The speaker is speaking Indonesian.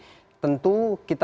jadi tentu kita